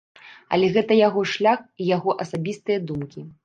Але гэта яго шлях і яго асабістыя думкі.